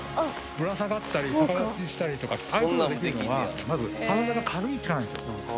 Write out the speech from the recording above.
ぶら下がったり、逆立ちしたりとかああいうことができるのは体が軽いからなんです